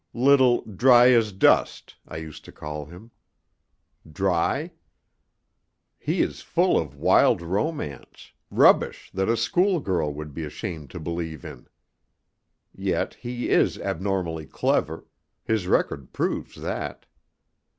"Little Dry as dust" I used to call him 'Dry'? He is full of wild romance, rubbish that a school girl would be ashamed to believe in. Yet he is abnormally clever; his record proves that.